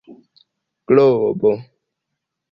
globo